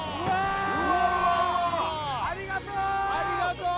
秩父ありがとう！